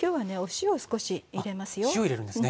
塩入れるんですね。